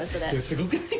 すごくない？